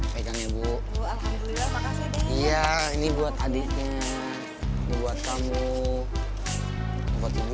pegangnya bu alhamdulillah makasih ya ini buat adiknya buat kamu